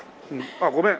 あっごめん。